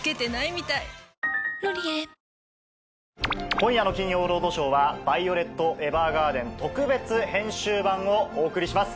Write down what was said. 今夜の『金曜ロードショー』は『ヴァイオレット・エヴァーガーデン』特別編集版をお送りします。